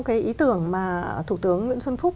cái ý tưởng mà thủ tướng nguyễn xuân phúc